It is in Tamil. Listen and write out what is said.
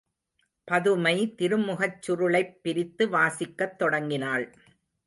பதுமை திருமுகச் சுருளைப் பிரித்து வாசிக்கத் தொடங்கினாள்.